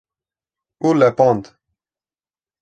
û lepand